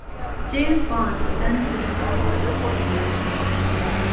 James Bond is sent to Bahamas to investigate.